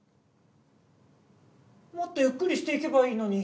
もっとゆっくりしていけばいいのに。